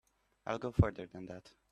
I'll go further than that.